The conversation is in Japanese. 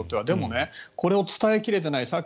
でもこれを伝え切れていない。